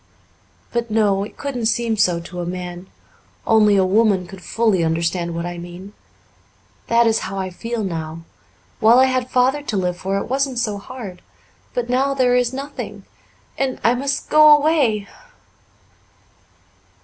"But, no, it couldn't seem so to a man. Only a woman could fully understand what I mean. That is how I feel now. While I had Father to live for it wasn't so hard. But now there is nothing. And I must go away."